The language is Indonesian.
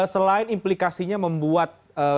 selain implikasinya membuat